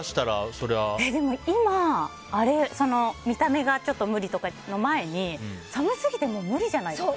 今は見た目が無理とかの前に寒すぎてむりじゃないですか？